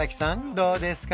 どうですか？